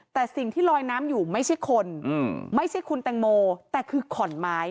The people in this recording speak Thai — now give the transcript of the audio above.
แต่สิ่งที่ลอยน้ำอยู่ไม่ใช่คนไม่ใช่คุณแตงโมแต่คือขอนไม้